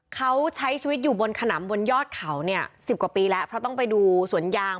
เขาใช้ชีวิตอยู่บนขนำบนยอดเขาเนี่ยสิบกว่าปีแล้วเพราะต้องไปดูสวนยาง